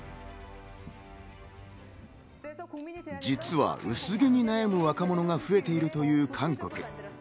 実は薄毛に悩む若者が増えているという韓国。